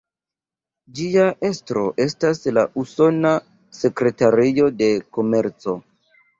Ĝia estro estas la Usona Sekretario de Komerco.